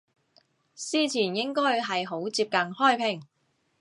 司前應該係好接近開平